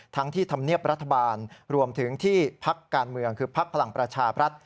ที่ธรรมเนียบรัฐบาลรวมถึงที่พักการเมืองคือภักดิ์พลังประชาบรัฐ